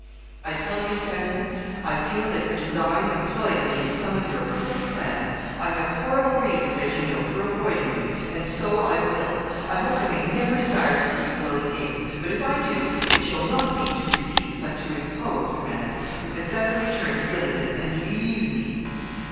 'I tell you, Stanley, I feel that you design employing me in some of your crooked plans. I have horrible reasons, as you know, for avoiding you, and so I will. I hope I may never desire to see you alone again, but if I do, it shall not be to receive, but to impose commands. You had better return to Gylingden, and leave me.'